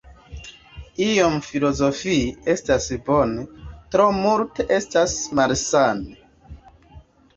Iom filozofii estas bone, tro multe estas malsane.